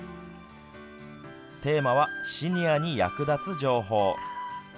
テーマはシニアに役立つ情報。